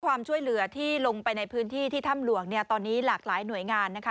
ความช่วยเหลือที่ลงไปในพื้นที่ที่ถ้ำหลวงเนี่ยตอนนี้หลากหลายหน่วยงานนะคะ